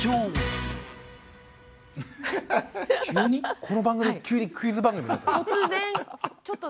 この番組急にクイズ番組になったの？